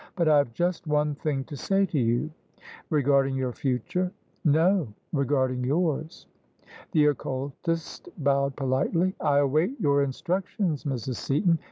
" But I have just one thing to say to you," " Regarding your future? "" No; regarding yours." The occultist bowed politely. " I await your instructions, Mrs. Seaton.